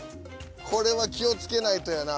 これは気を付けないとやな。